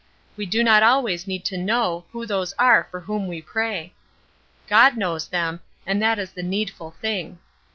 We do not always need to know who those are for whom we pray. God knows them, and that is the needful thing.